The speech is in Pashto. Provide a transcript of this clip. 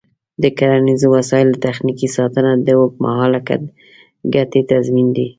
د کرنیزو وسایلو تخنیکي ساتنه د اوږدمهاله ګټې تضمین دی.